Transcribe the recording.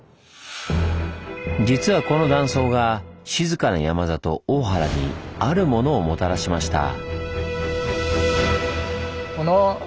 実はこの断層が静かな山里大原にあるものをもたらしました。